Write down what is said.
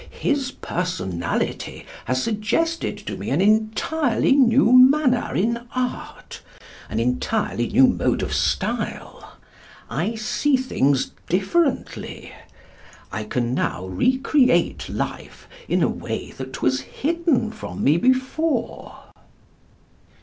his personality has suggested to me an entirely new manner in art, an entirely new mode of style. I see things differently. I can now recreate life in a way that was hidden from me before."